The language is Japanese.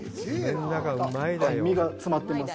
身が詰まってます。